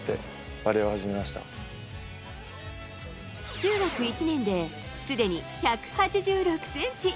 中学１年で、すでに１８６ｃｍ。